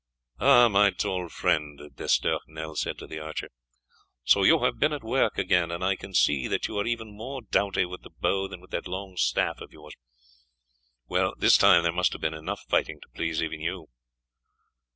"Ah, my tall friend," D'Estournel said to the archer, "so you have been at work again, and I can see that you are even more doughty with the bow than with that long staff of yours. Well, this time there must have been enough fighting to please even you."